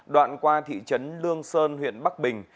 đoạn qua thị trấn lương sơn huyện bắc bình